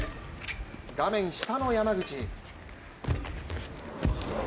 画面下の山口。